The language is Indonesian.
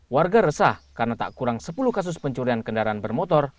warga resah karena tak kurang sepuluh kasus pencurian kendaraan bermotor